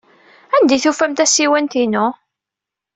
Anda ay tufam tasiwant-inu?